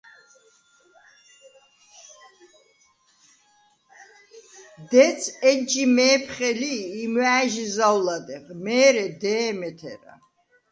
დეც ეჯჟი მე̄ფხე ლი, იმუ̂ა̄̈ჲჟი ზაუ̂ლადეღ, მე̄რე დე̄მე თერა.